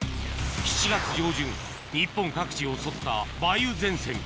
７月上旬日本各地を襲った梅雨前線